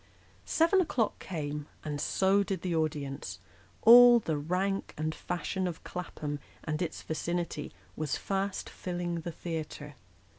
Seven o'clock came, and so did the audience; all the rank and fashion of Clapham and its vicinity was fast filling the theatre.